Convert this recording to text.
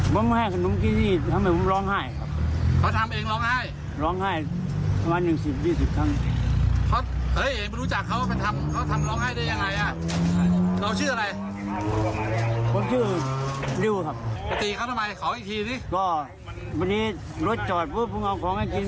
จะเอาให้เขากินไม่กิน